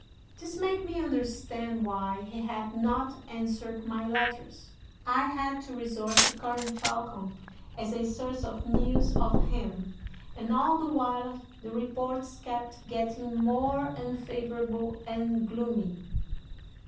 "This made me understand why he had not answered my letters. I had to resort to Colonel Falcon as a source of news of him, and all the while the reports kept getting more unfavorable and gloomy.